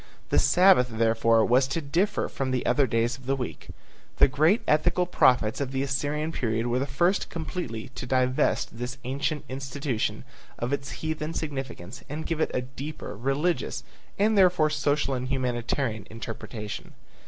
The Sabbath, therefore, was to differ from the other days of the week. The great ethical prophets of the Assyrian period were the first completely to divest this ancient institution of its heathen significance and give it a deeper religious, and therefore social and humanitarian interpretation.